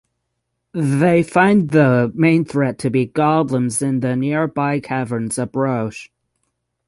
They find the main threat to be goblins in the nearby caverns of Broch.